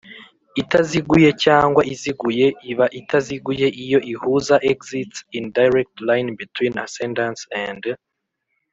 itaziguye cyangwa iziguye Iba itaziguye iyo ihuza exists in direct line between ascendants and